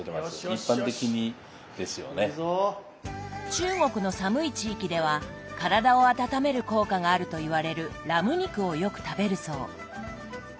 中国の寒い地域では体を温める効果があるといわれるラム肉をよく食べるそう。